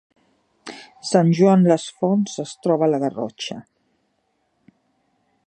Sant Joan les Fonts es troba a la Garrotxa